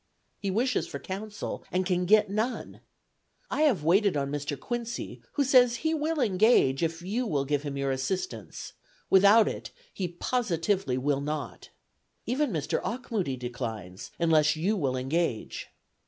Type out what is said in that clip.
He wishes for counsel, and can get none. I have waited on Mr. Quincy, who says he will engage, if you will give him your assistance; without it, he positively will not. Even Mr. Auchmuty declines, unless you will engage.'